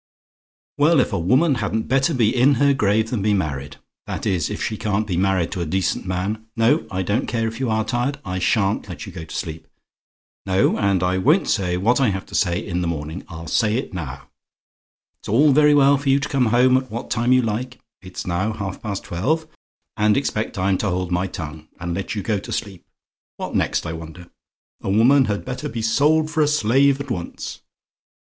"Well, if a woman hadn't better be in her grave than be married! That is, if she can't be married to a decent man. No; I don't care if you are tired, I SHAN'T let you go to sleep. No, and I won't say what I have to say in the morning; I'll say it now. It's all very well for you to come home at what time you like it's now half past twelve and expect I'm to hold my tongue, and let you go to sleep. What next, I wonder? A woman had better be sold for a slave at once.